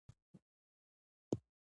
سیلاني ځایونه د صنعت لپاره ځینې مواد برابروي.